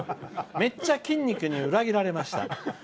めっちゃ筋肉に裏切られました。